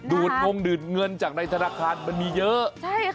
ดงดูดเงินจากในธนาคารมันมีเยอะ